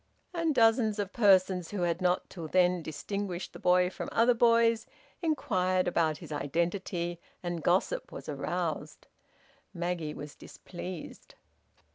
And dozens of persons who had not till then distinguished the boy from other boys, inquired about his identity, and gossip was aroused. Maggie was displeased.